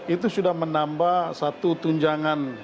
itu sudah menambah satu tunjangan